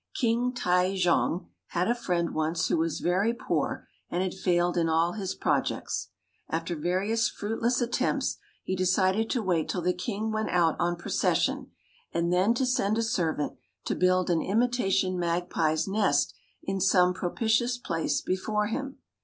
King T'ai jong had a friend once who was very poor and had failed in all his projects. After various fruitless attempts he decided to wait till the King went out on procession and then to send a servant to build an imitation magpie's nest in some propitious place before him.